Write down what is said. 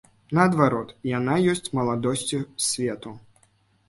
Наадварот, яна ёсць маладосцю свету.